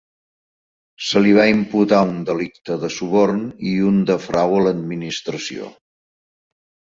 Se li va imputar un delicte de suborn i un de frau a l'Administració.